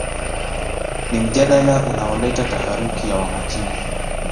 ni mjadala unaoleta taharuki ya Wamachinga